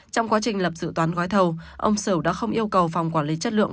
trong quá trình lập dự toán gói thầu ông sửu đã không yêu cầu phòng quản lý chất lượng